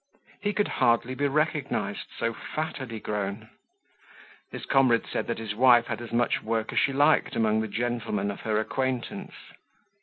He could hardly be recognised, so fat had he grown. His comrades said that his wife had as much work as she liked among the gentlemen of her acquaintance.